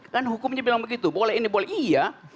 kan hukumnya bilang begitu boleh ini boleh iya